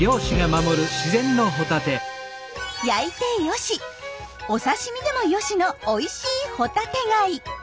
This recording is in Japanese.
焼いてよしお刺身でもよしのおいしいホタテガイ。